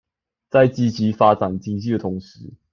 在積極發展經濟的同時